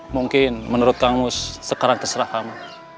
mungkin menurut kang mus sekarang terserah kamu